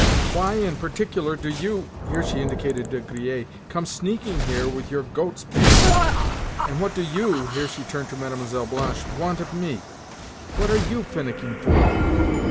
Why, in particular, do you"—here she indicated De Griers—"come sneaking here with your goat's beard? And what do you"—here she turned to Mlle. Blanche "want of me? What are you finicking for?"